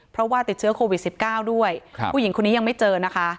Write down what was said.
เพราะว่าติดเชื้อโควิด๑๙ด้วยผู้หญิงคนนี้ยังไม่เจอนะคะ